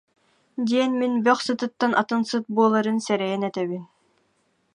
диэн мин бөх сытыттан атын сыт буоларын сэрэйэн, этэбин